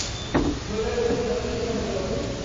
বলিয়া উঠিল, বলেন কী চন্দ্রবাবু?